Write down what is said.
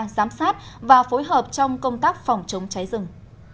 giám sát và phối hợp trong công tác phòng chống cháy rừng